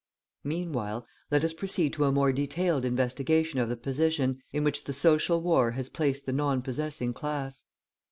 Meanwhile, let us proceed to a more detailed investigation of the position, in which the social war has placed the non possessing class.